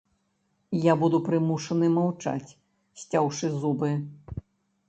Я буду прымушаны маўчаць, сцяўшы зубы.